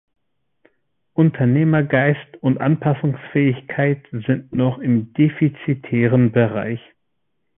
Unternehmergeist und Anpassungsfähigkeit sind noch im defizitären Bereich.